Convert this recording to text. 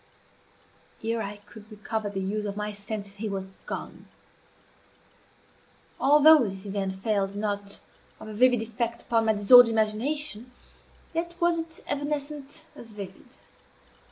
Ere I could recover the use of my senses he was gone. Although this event failed not of a vivid effect upon my disordered imagination, yet was it evanescent as vivid.